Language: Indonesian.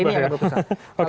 tiga besarnya akan susah berubah